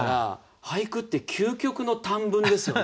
俳句って究極の短文ですよね。